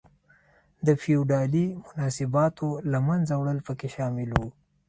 د فیوډالي مناسباتو له منځه وړل پکې شامل و.